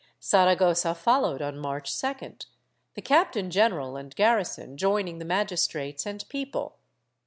Saragossa fol lowed on March 2d, the captain general and garrison joining the magistrates and people.